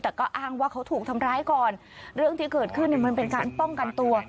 แต่ก็อ้างว่าเขาถูกทำร้ายก่อนเรื่องที่เกิดขึ้นเนี่ยมันเป็นการป้องกันตัว